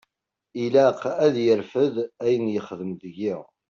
Ilaq ad yerfed ayen yexdem deg-i.